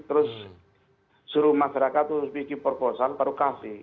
terus suruh masyarakat terus bikin perbosan baru kasih